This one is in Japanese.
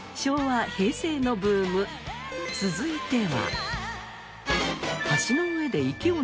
続いては。